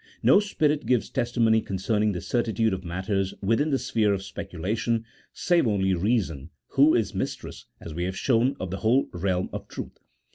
No spirit gives testimony concerning the certitude of matters within the sphere of speculation, save only reason, who is mistress, as we have shown, of the whole realm of truth.